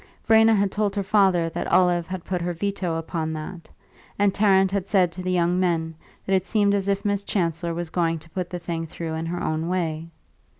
Verena had told her father that Olive had put her veto upon that, and Tarrant had said to the young men that it seemed as if Miss Chancellor was going to put the thing through in her own way.